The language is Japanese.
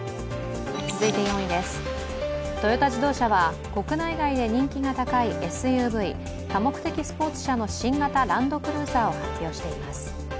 続いて４位です、トヨタ自動車は国内外で人気が高いＳＵＶ＝多目的スポーツ車の新型ランドクルーザーを発表しています。